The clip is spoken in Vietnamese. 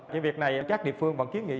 cái việc này chắc địa phương vẫn kiếp nghị